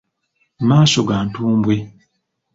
Maaso ga ntumbwe.